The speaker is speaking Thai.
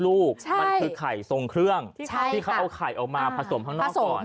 ลูกมันคือไข่ทรงเครื่องที่เขาเอาไข่ออกมาผสมข้างนอกก่อน